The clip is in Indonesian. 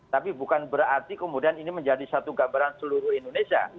tapi bukan berarti kemudian ini menjadi satu gambaran seluruh indonesia